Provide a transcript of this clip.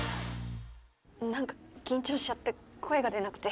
何か緊張しちゃって声が出なくて。